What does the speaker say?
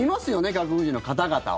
外国人の方々を。